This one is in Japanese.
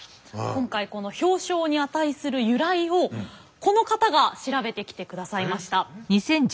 今回この表彰に値する由来をこの方が調べてきてくださいました。